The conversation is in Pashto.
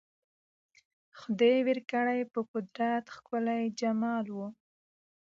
خدای ورکړی په قدرت ښکلی جمال وو